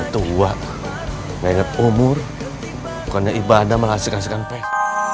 tua menegap umur bukannya ibadah menghasilkan sekampek